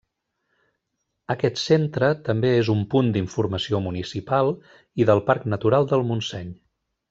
Aquest centre també és un punt d'informació municipal i del Parc Natural del Montseny.